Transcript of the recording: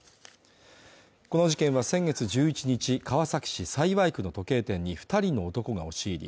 この事件は先月１１日川崎市幸区の時計店に２人の男が押し入り